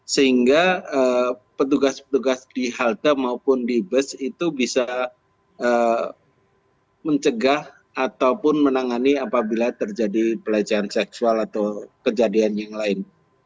sehingga petugas petugas di halte maupun di bus itu bisa mencegah ataupun menangani apabila terjadi pelecehan seksual atau kejadian yang lain